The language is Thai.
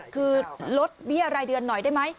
คือลดเบี้ยรายเดือนหน่อยได้ไหม